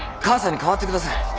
母さんに代わってください。